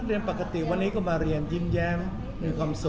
เรียนปกติวันนี้ก็มาเรียนยิ้มแย้มมีความสุข